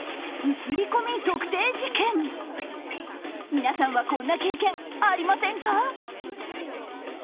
皆さんはこんな経験ありませんか？